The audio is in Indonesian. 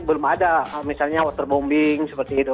belum ada misalnya waterbombing seperti itu